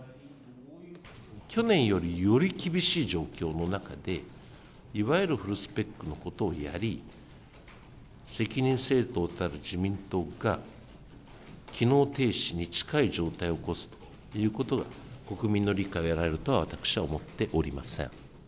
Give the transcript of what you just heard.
去年よりより厳しい状況の中で、いわゆるフルスペックのことをやり、責任政党たる自民党が、機能停止に近い状態を起こすということは、国民の理解が得られるとは、私は思っておりません。